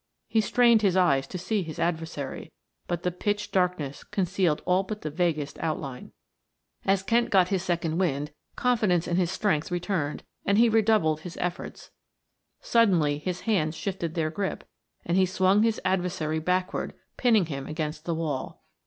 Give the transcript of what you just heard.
He strained his eyes to see his adversary, but the pitch darkness concealed all but the vaguest outline. As Kent got his second wind, confidence in his strength returned and he redoubled his efforts; suddenly his hands shifted their grip and he swung his adversary backward, pinning him against the wall.